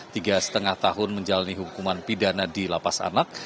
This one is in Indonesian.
tiga setengah tahun menjalani hukuman pidana di lapas anak